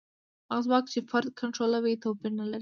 هغه ځواک چې فرد کنټرولوي توپیر نه لري.